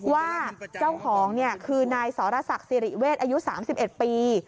ว่าเจ้าของคือนายสรษักสิริเวศอายุ๓๑ปี